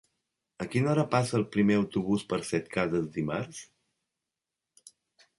A quina hora passa el primer autobús per Setcases dimarts?